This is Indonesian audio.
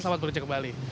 selamat berjalan kembali